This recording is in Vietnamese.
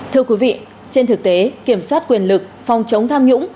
thưa quý vị trên thực tế kiểm soát quyền lực phòng chống tham nhũng